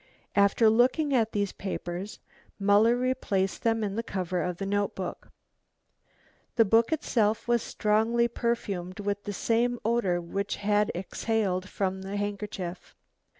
After looking at these papers, Muller replaced them in the cover of the notebook. The book itself was strongly perfumed with the same odour which had exhaled from the handkerchief.